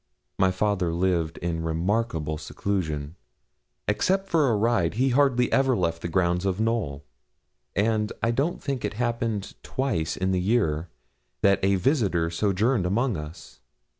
My father lived in remarkable seclusion; except for a ride, he hardly ever left the grounds of Knowl; and I don't think it happened twice in the year that a visitor sojourned among us.